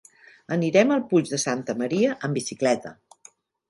Anirem al Puig de Santa Maria amb bicicleta.